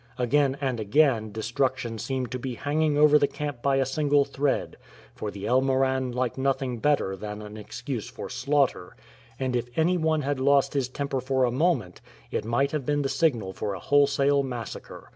Again and again destruction seemed to be hanging over the camp by a single thread, for the El Moran like nothing better than an excuse for slaughter, and if any one had lost his temper for a moment, it might have been the signal for a wholesale massacre.